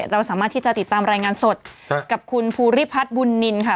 เราสามารถที่จะติดตามรายงานสดกับคุณภูริพัฒน์บุญนินค่ะ